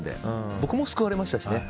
僕も救われましたしね。